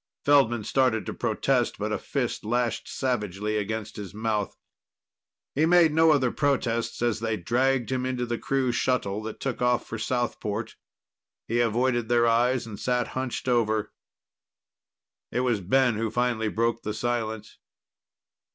Feldman started to protest, but a fist lashed savagely against his mouth. He made no other protests as they dragged him into the crew shuttle that took off for Southport. He avoided their eyes and sat hunched over. It was Ben who finally broke the silence.